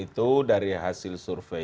itu dari hasil survei